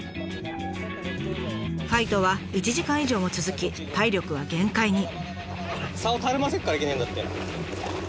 ファイトは１時間以上も続き体力は限界に。